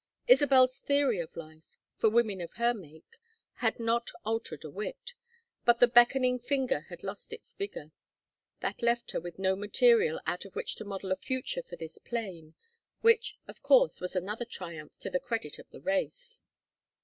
Isabel's theory of life for women of her make had not altered a whit, but the beckoning finger had lost its vigor. That left her with no material out of which to model a future for this plane which, of course, was another triumph to the credit of the race.